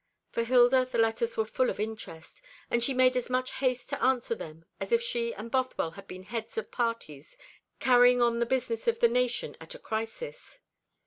For Hilda the letters were full of interest, and she made as much haste to answer them as if she and Bothwell had been heads of parties carrying on the business of the nation at a crisis.